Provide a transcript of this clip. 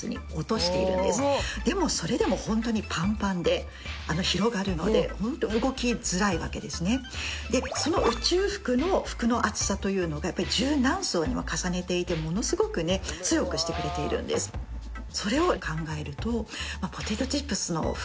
実は私達その時のでホント動きづらいわけですねでその宇宙服の服の厚さというのが十何層にも重ねていてものすごく強くしてくれているんですそれを考えるとポテトチップスの袋